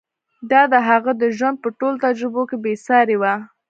دا د هغه د ژوند په ټولو تجربو کې بې سارې وه.